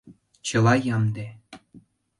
Чыла ямде!